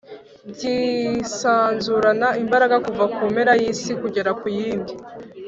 Bwisanzurana imbaraga kuva ku mpera y’isi kugera ku yindi,